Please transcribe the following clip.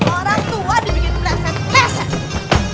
orang tua dibikin pleset pleset